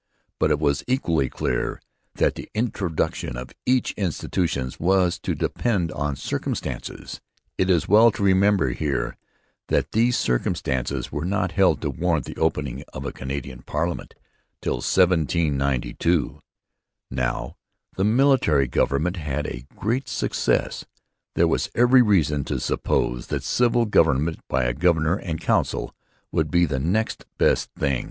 But it was equally clear that the introduction of such institutions was to depend on 'circumstances,' and it is well to remember here that these 'circumstances' were not held to warrant the opening of a Canadian parliament till 1792. Now, the military government had been a great success. There was every reason to suppose that civil government by a governor and council would be the next best thing.